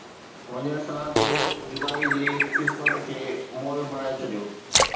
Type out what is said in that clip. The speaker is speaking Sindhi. وڃڻ سان، تو جدائي جي قسمت کي مئل بڻائي ڇڏيو